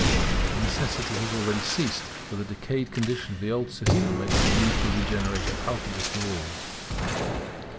The necessity has already ceased; for the decayed condition of the old system makes the need of regeneration palpable to all.